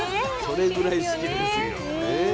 それぐらい好きですよ。